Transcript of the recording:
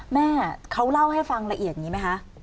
แม่เขาเล่าให้ฟังละเอียดอย่างนี้ไหมคะ